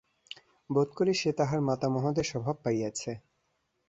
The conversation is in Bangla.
বােধ করি সে তাহার মাতামহদের স্বভাব পাইয়াছে।